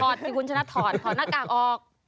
ถอดสิคุณชนะถอดหน้ากากออก